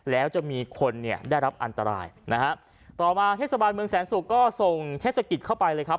แล้วจะมีคนเนี่ยได้รับอันตรายนะฮะต่อมาเทศบาลเมืองแสนศุกร์ก็ส่งเทศกิจเข้าไปเลยครับ